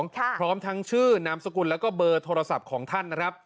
พร้อมทั้งชื่อนามสกุลแล้วก็เบอร์โทรศัพท์ของท่านนะครับ